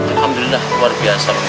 alhamdulillah luar biasa